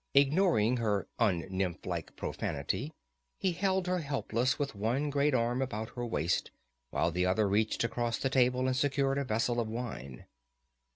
Ignoring her un nymphlike profanity, he held her helpless with one great arm about her waist while the other reached across the table and secured a vessel of wine.